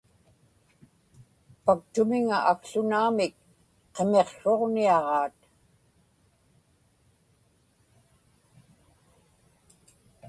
paktumiŋa akłunaamik qimiqsruġniaġaat